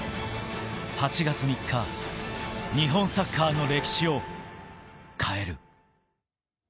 ８月３日、日本サッカーの歴史を変える。